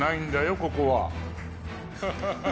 ここは。